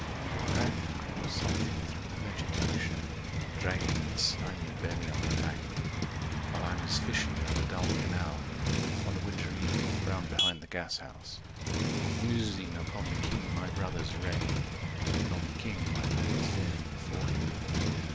A rat crept softly through the vegetation Dragging its slimy belly on the bank While I was fishing in the dull canal On a winter evening round behind the gashouse. 190 Musing upon the king my brother's wreck And on the king my father's death before him.